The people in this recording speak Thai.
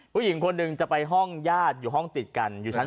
ผู้หญิงคนหนึ่งจะไปห้องญาติอยู่ห้องติดกันอยู่ชั้น๒